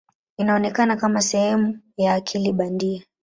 Inaonekana kama sehemu ya akili bandia.